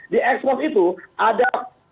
di ekspos itu ada